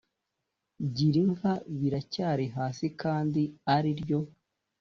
Girinka biracyari hasi kandi ariryo